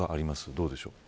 どうでしょうか。